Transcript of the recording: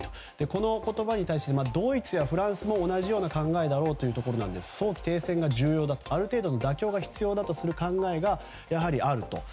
この言葉に対してドイツやフランスも同じような考えで早期停戦が重要だとある程度の妥協が必要だとする考えが、やはりあると。